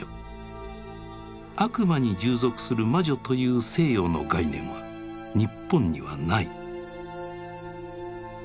悪魔に従属する魔女という西洋の概念は日本にはない。